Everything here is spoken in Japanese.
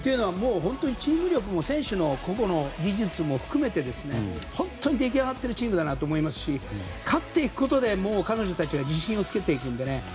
チーム力も、選手の個々の技術も含めて本当に出来上がっているチームだなと思いますし勝っていくことで彼女たちは自信をつけていくので。